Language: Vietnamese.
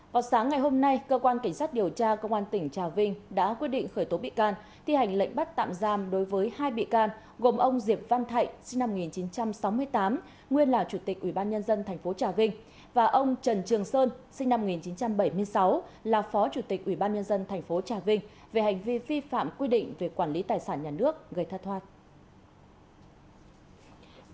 họt sáng ngày hôm nay cơ quan cảnh sát điều tra công an tỉnh trà vinh đã quyết định khởi tố bị can thi hành lệnh bắt tạm giam đối với hai bị can gồm ông diệp văn thạnh sinh năm một nghìn chín trăm sáu mươi tám nguyên là chủ tịch ủy ban nhân dân thành phố trà vinh và ông trần trường sơn sinh năm một nghìn chín trăm bảy mươi sáu là phó chủ tịch ủy ban nhân dân thành phố trà vinh về hành vi vi phạm quy định về quản lý tài sản nhà nước gây thất hoạt